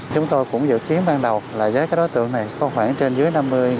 chúng tôi cũng dự kiến ban đầu là với cái đối tượng này có khoảng trên dưới năm mươi